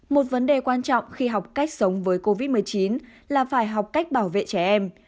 một vấn đề quan trọng khi học cách sống với covid một mươi chín là phải học cách bảo vệ trẻ em